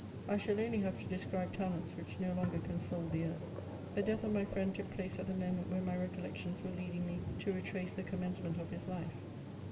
I shall only have to describe talents which no longer console the earth. The death of my friend took place at the moment when my recollections were leading me to retrace the commencement of his life.